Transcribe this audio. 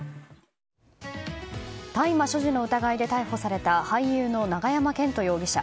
大麻所持の疑いで逮捕された俳優の永山絢斗容疑者。